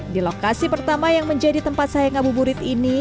di lokasi pertama yang menjadi tempat saya ngabuburit ini